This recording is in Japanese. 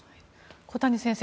小谷先生